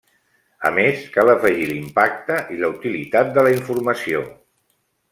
A més, cal afegir l’impacte i la utilitat de la informació.